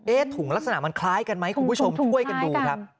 ถุงลักษณะมันคล้ายกันไหมคุณผู้ชมช่วยกันดูครับ